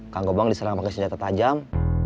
kangkobang diserang pake senjata tajam